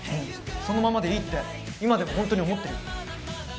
そのままでいいって今でも本当に思ってる。